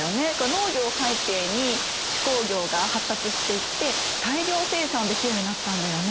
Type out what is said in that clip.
農業を背景に手工業が発達していって大量生産できるようになったんだよね。